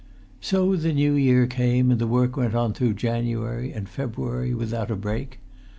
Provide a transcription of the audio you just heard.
So the New Year came, and the work went on through January and February without a break.